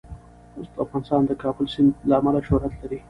افغانستان د د کابل سیند له امله شهرت لري.